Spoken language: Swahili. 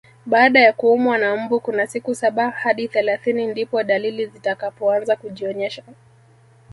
Baada ya kuumwa na mbu kuna siku saba hadi thelathini ndipo dalili zitakapoanza kujionyesha